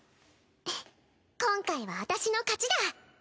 今回は私の勝ちだ。